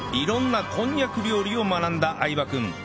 色んなこんにゃく料理を学んだ相葉君